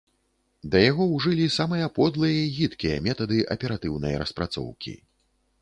Да яго ўжылі самыя подлыя і гідкія метады аператыўнай распрацоўкі.